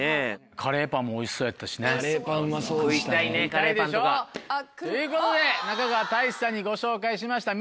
カレーパンうまそうでしたね。ということで中川大志さんにご紹介しました。